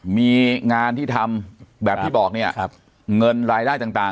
มีงานที่ทำ